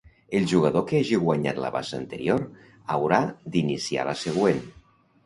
El jugador que hagi guanyat la basa anterior, haurà d'iniciar la següent.